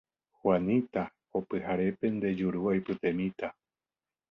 Juanita ko pyharépe nde juru aipytemíta